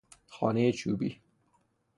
خانهی چوبی